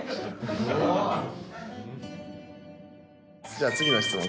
じゃあ次の質問